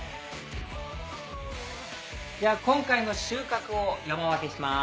じゃあ今回の収穫を山分けします。